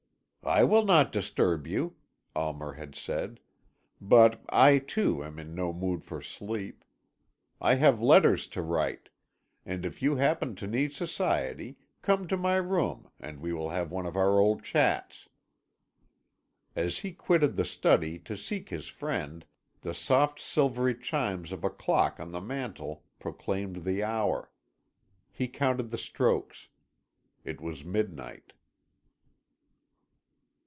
"I will not disturb you," Almer had said, "but I, too, am in no mood for sleep. I have letters to write, and if you happen to need society, come to my room, and we will have one of our old chats." As he quitted the study to seek his friend the soft silvery chimes of a clock on the mantel proclaimed the hour. He counted the strokes. It was midnight.